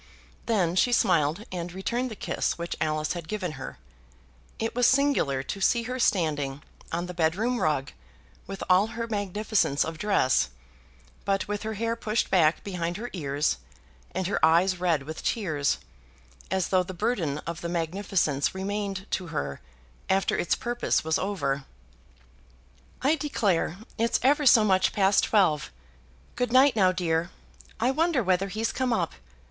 Then she smiled and returned the kiss which Alice had given her. It was singular to see her standing on the bedroom rug with all her magnificence of dress, but with her hair pushed back behind her ears, and her eyes red with tears, as though the burden of the magnificence remained to her after its purpose was over. "I declare it's ever so much past twelve. Good night, now, dear. I wonder whether he's come up.